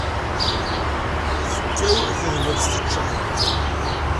Tekkaw tedwat teččeḥ.